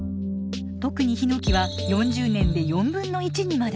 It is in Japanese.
特にヒノキは４０年で４分の１にまで。